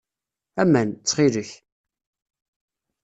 Aman, ttxil-k.